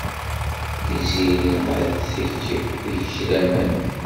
Tiziri ad teg deg-k laman.